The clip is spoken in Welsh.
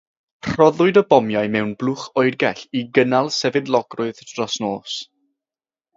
Rhoddwyd y bomiau mewn blwch oergell i gynnal sefydlogrwydd dros nos.